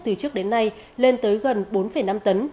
từ trước đến nay lên tới gần bốn năm tấn